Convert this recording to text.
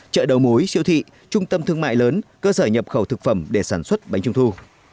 chợ đầu mối siêu thị trung tâm thương mại lớn cơ sở nhập khẩu thực phẩm để sản xuất bánh trung thu